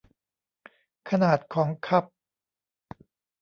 ขนาดของคัพ